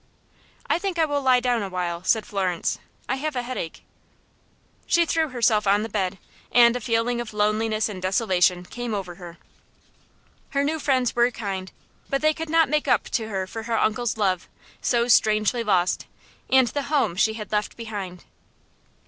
"I think I will lie down a while," said Florence. "I have a headache." She threw herself on the bed, and a feeling of loneliness and desolation came over her. Her new friends were kind, but they could not make up to her for her uncle's love, so strangely lost, and the home she had left behind.